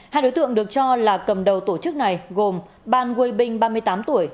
hai đối tượng được cho là cầm đầu tổ chức này gồm ban quê binh ba mươi tám tuổi